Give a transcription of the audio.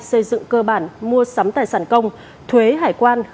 xây dựng cơ bản mua sắm tài sản công thuế hải quan